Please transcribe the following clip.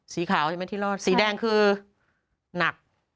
สีขาวใช่ไหมที่รอดใช่ไหมสีแดงคือหนัก